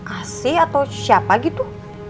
asyik atau siapa gitu